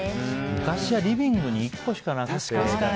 昔はリビングに１個しかなくて。